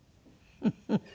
フフフフ！